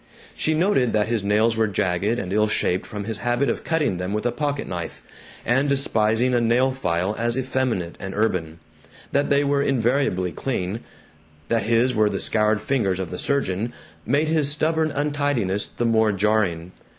She noted that his nails were jagged and ill shaped from his habit of cutting them with a pocket knife and despising a nail file as effeminate and urban. That they were invariably clean, that his were the scoured fingers of the surgeon, made his stubborn untidiness the more jarring.